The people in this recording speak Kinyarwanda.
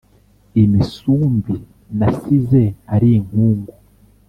Imisumbi nasize ari inkungu